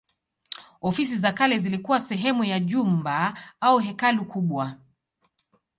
Ofisi za kale zilikuwa sehemu ya jumba au hekalu kubwa.